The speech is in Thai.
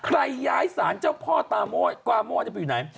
ใครย้ายศาลเจ้าพ่อกาโม่จะไปอยู่ไหน